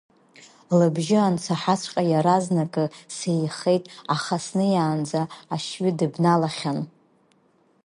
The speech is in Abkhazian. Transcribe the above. Лыбжьы ансаҳаҵәҟьа иаразнакы сеихеит, аха снеиаанӡа ашьҩы дыбналахьан!